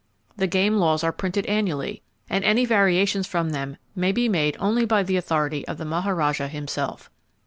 The game laws are printed annually, and any variations from them may be made only by the authority of the Maharajah himself.